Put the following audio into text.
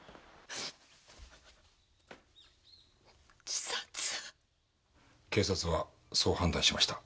自殺？警察はそう判断しました。